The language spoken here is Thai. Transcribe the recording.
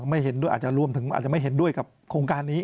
อาจจะไม่เห็นด้วยกับโครงการนี้